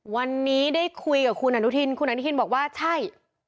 วันนี้ได้คุยกับคุณอนุทินคุณอนุทินบอกว่าใช่